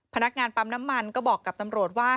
พนักงานปั๊มน้ำมันก็บอกกับตำรวจว่า